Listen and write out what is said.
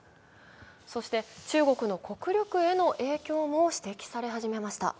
そして、中国の国力への影響も指摘され始めました。